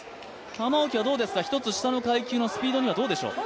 玉置は一つ下の階級のスピードにはどうでしょうか。